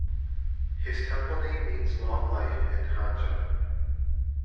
His temple name means "Long Life" in hanja.